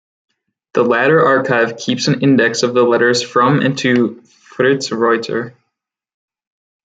The latter archive keeps an index of the letters from and to Fritz Reuter.